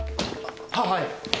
はっはい。